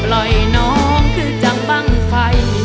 ปล่อยน้องคือจังบังไฟ